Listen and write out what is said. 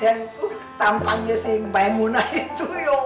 yang tuh tampaknya si mba emunah itu yuk